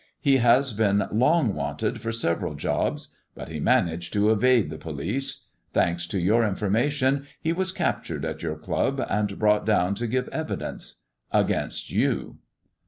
He has been long wanted for several jobs, but he managed to evade the police. Thanks to your information, he was captured at your club and brought down to give evidence — against you."